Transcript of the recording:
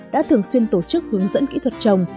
đã thường xuyên tổ chức hướng dẫn kỹ thuật trồng